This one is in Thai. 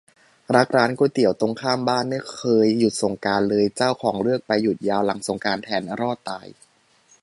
รักร้านก๋วยเตี๋ยวตรงข้ามบ้าน ไม่เคยหยุดสงกรานต์เลย เจ้าของเลือกไปหยุดยาวหลังสงกรานต์แทน รอดตาย